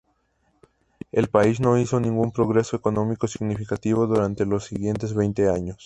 El país no hizo ningún progreso económico significativo durante los siguientes veinte años.